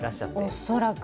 恐らく。